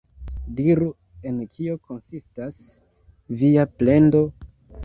Diru, en kio konsistas via plendo?